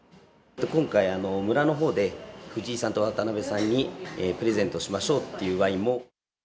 今回、村のほうで藤井さんと渡辺さんにプレゼントしましょうっていうワインも。